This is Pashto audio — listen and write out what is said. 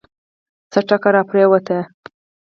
څه ټکه راپرېوته.